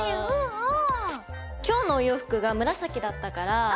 うん！